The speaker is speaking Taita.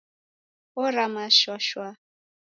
Orama sha shaa!